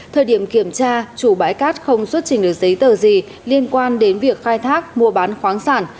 thời điểm kiểm tra chủ bãi cát không xuất trình được giấy tờ gì liên quan đến việc khai thác mua bán khoáng sản